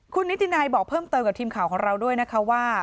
คุณนิตินัยบอกเพิ่มเติมกับทีมข่าวของเราด้วยนะคะว่า